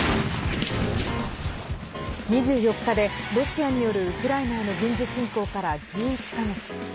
２４日でロシアによるウクライナへの軍事侵攻から１１か月。